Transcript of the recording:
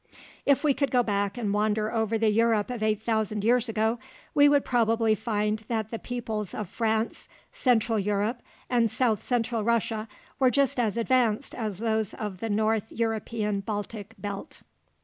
If we could go back and wander over the Europe of eight thousand years ago, we would probably find that the peoples of France, central Europe, and south central Russia were just as advanced as those of the north European Baltic belt.